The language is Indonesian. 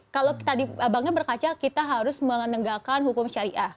kalau tadi bangnya berkaca kita harus menegakkan hukum syariah